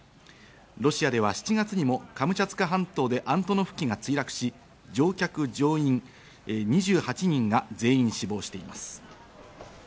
ロシアでは７月にもカムチャツカ半島でアントノフ機が墜落し、乗客・乗員２８人が全員死亡しています。